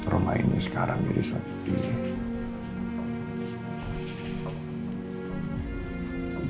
rumah ini sekarang jadi seperti ini